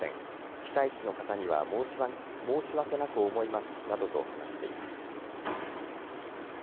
被災地の方には申し訳なく思いますなどと話しています。